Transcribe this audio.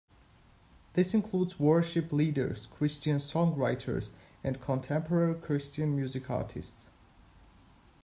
This includes worship leaders, Christian songwriters, and contemporary Christian music artists.